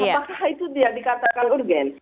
apakah itu tidak dikatakan urgen